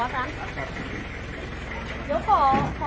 สวัสดีทุกคน